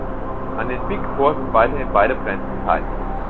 An den "Big Four" sind weiterhin beide Brands beteiligt.